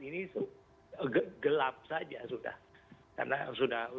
ini gelap saja sudah